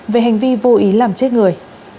về hành vi vô ý làm chết người